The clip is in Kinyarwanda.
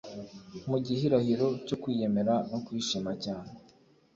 Mu gihirahiro cyo kwiyemera no kwishima cyane